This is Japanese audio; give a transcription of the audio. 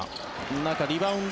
中、リバウンド。